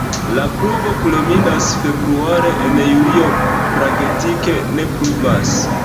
La pluvo kulminas februare, en julio praktike ne pluvas.